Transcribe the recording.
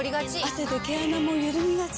汗で毛穴もゆるみがち。